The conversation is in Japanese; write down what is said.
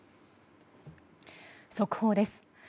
速報です。